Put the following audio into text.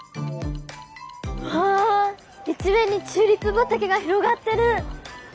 わあ一面にチューリップ畑が広がってる！